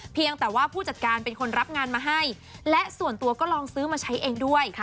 เพียงแต่ว่าผู้จัดการเป็นคนรับงานมาให้และส่วนตัวก็ลองซื้อมาใช้เองด้วย